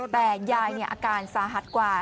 แต่ยายอาการสาหัสกว่า